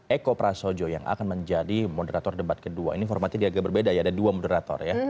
eko prasojo yang akan menjadi moderator debat kedua ini formatnya dia agak berbeda ya ada dua moderator ya